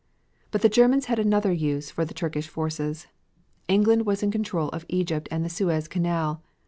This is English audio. But the Germans had another use for the Turkish forces. England was in control of Egypt and the Suez Canal.